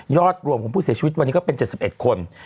รวมของผู้เสียชีวิตวันนี้ก็เป็น๗๑คน